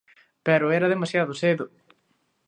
Pero era demasiado cedo.